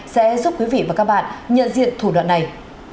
sẽ giúp quý vị và các bạn nhận diện thủ đoạn này